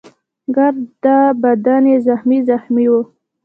ګرده بدن يې زخمي زخمي وو.